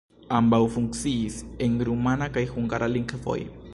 Ambaŭ funkciis en rumana kaj hungara lingvoj.